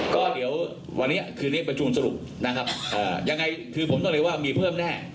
ก็เดี๋ยววันนี้คืนนี้ประชุมสรุปนะครับยังไงคือผมต้องเรียกว่ามีเพิ่มแน่